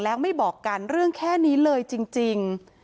แล้วไม่บอกกันเรื่องแค่นี้เลยจริง